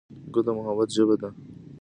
ګل د محبت ژبه ده.